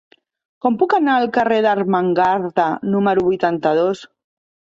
Com puc anar al carrer d'Ermengarda número vuitanta-dos?